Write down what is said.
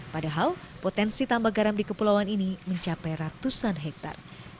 padahal potensi tambak garam di kepulauan ini mencapai ratusan hektare